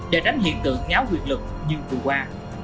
để đánh hiện tượng ngáo quyệt lực như vừa qua